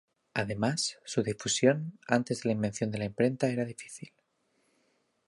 Además, su difusión, antes de la invención de la imprenta era difícil.